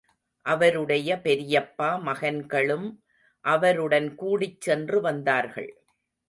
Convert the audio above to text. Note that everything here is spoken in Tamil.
அவருடைய பெரியப்பா மகன்களும் அவருடன் கூடிச் சென்று வந்தார்கள்.